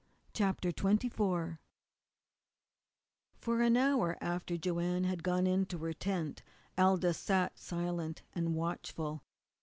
CHAPTER XXIV For an hour after Joanne had gone into her tent Aldous sat silent and watchful.